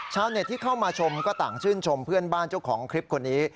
ชาวเน็ตที่เข้ามาชมก็ต่างชื่นชมเพื่อนบ้านเจ้าของคลิปคนนี้